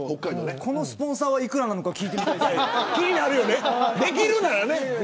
このスポンサーは幾らなのか聞いてみたいでできるならね。